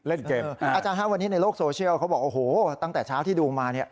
อาจารย์อาคารวันนี้ในโลกโซเชียลเขาบอกตั้งแต่เช้าที่ดูมา